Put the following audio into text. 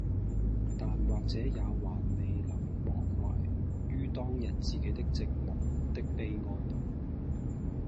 但或者也還未能忘懷于當日自己的寂寞的悲哀罷，